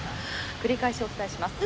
繰り返しお伝えします。